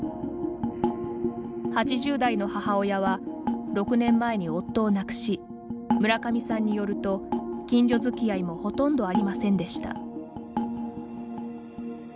８０代の母親は６年前に夫を亡くし村上さんによると近所づきあいもほとんどありませんでした。